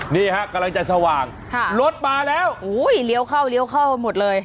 นี่ฮะกำลังจะสว่างรถมาแล้วเลี้ยวเข้าเลี้ยวเข้าหมดเลย